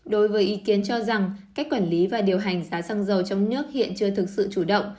đối với ý kiến cho rằng cách quản lý và điều hành giá xăng dầu trong nước hiện chưa thực sự chủ động